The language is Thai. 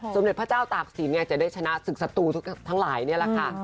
สมนติพระเจ้าตากศีลเนี่ยจะได้ชนะศึกษตูทั้งหลายเนี่ยแหละค่ะ